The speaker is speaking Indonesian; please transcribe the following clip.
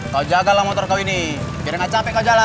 kau jagalah motor kau ini biar gak capek kau jalan